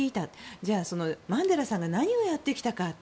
じゃあ、そのマンデラさんが何をやってきたか。